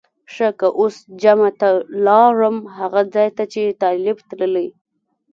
ښه که اوس جمعه ته لاړم هغه ځای ته چې طالب تللی.